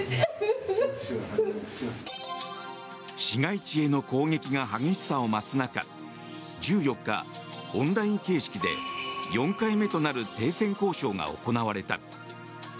市街地への攻撃が激しさを増す中１４日、オンライン形式で４回目となる停戦交渉が行われた。